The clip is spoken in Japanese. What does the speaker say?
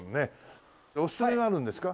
おすすめがあるんですか？